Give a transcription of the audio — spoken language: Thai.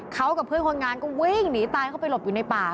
เขากับเพื่อนคนงานก็วิ่งหนีตายเข้าไปหลบอยู่ในป่า